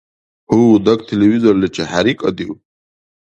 Гьу, даг телевизорличи хӀерикӀадив?